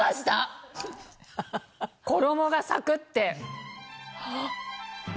衣がサクって！